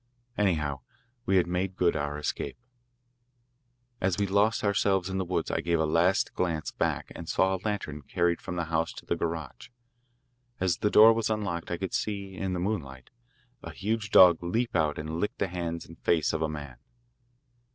Anyhow, we had made good our escape. As we lost ourselves in the woods I gave a last glance back and saw a lantern carried from the house to the garage. As the door was unlocked I could see, in the moonlight, a huge dog leap out and lick the hands and face of a man.